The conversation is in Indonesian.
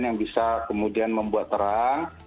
yang bisa kemudian membuat terang